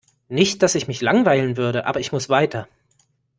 Nicht dass ich mich langweilen würde, aber ich muss weiter.